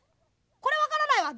「これわからないわ！